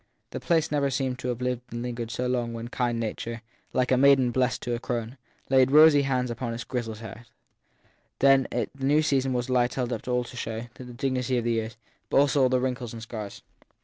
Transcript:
The place never seemed to have lived and lingered so long as when kind nature, like a maiden blessing a crone, laid rosy hands on its grizzled head. Then the new season was a light held up to show all the dignity of the years, but also all the wrinkles and scars.